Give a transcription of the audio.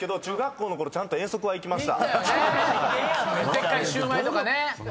でっかいシューマイとかね。